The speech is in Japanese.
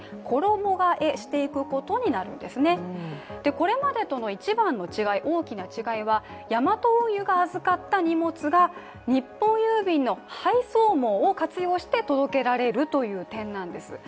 これまでとの一番の大きな違いはヤマト運輸が預かった荷物が日本郵便の配送網を利用して届けられるという点なんです。